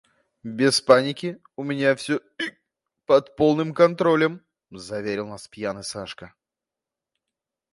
«Без паники! У меня всё, ик, под полным контролем!» — заверил нас пьяный Сашка.